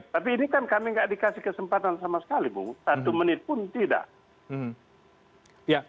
tapi ini kan kami nggak dikasih kesempatan sama sekali bu satu menit pun tidak